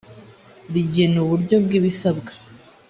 rigena uburyo bwibisabwa.